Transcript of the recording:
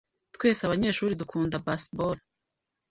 Twese abanyeshuri dukunda baseball.